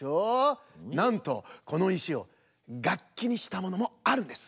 なんとこのいしをがっきにしたものもあるんです。